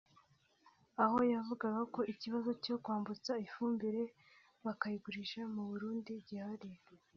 aho avuga ko ikibazo cyo kwambutsa ifumbire bakayigurisha mu Burundi gihari